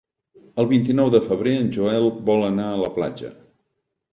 El vint-i-nou de febrer en Joel vol anar a la platja.